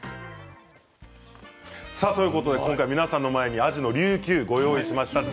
皆さんの前にはアジのりゅうきゅうをご用意しました。